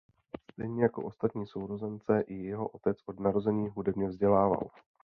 Stejně jako ostatní sourozence i jeho otec od narození hudebně vzdělával.